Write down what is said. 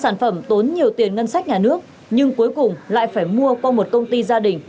sản phẩm tốn nhiều tiền ngân sách nhà nước nhưng cuối cùng lại phải mua qua một công ty gia đình